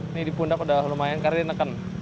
ini dipundak udah lumayan karena ini neken